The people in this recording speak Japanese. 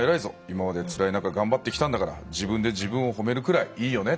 今まで辛い中頑張って来たんだから自分で自分を褒めるくらい良いよね」